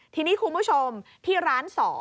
ทีนี้คุณผู้ชมที่ร้าน๒